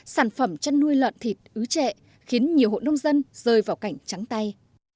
sản phẩm chăn nuôi lợn thịt ứ trệ khiến nhiều hộ nông dân rơi vào cảnh trắng tay